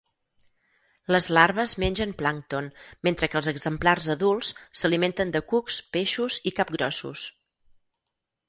Les larves mengen plàncton mentre que els exemplars adults s'alimenten de cucs, peixos i capgrossos.